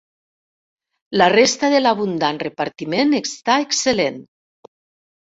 La resta de l'abundant repartiment està excel·lent.